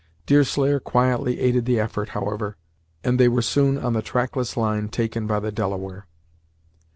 Deerslayer quietly aided the effort, however, and they were soon on the trackless line taken by the Delaware.